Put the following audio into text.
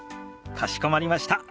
かしこまりました。